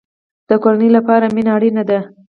د کورنۍ لپاره مینه اړین ده